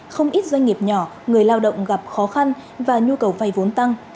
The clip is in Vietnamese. không ít doanh nghiệp nhỏ người lao động gặp khó khăn và nhu cầu vay vốn tăng